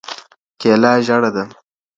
کېله ژړه ده.